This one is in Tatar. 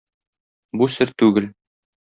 Бу сер түгел.